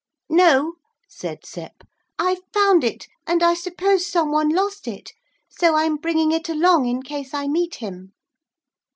'No,' said Sep, 'I found it, and I suppose some one lost it. So I'm bringing it along in case I meet him.'